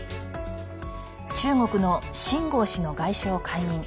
中国の秦剛氏の外相解任。